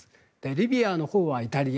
リビアのほうはイタリア